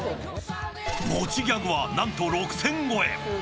持ちギャグはなんと６０００超え。